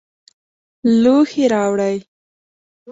لوښي راوړئ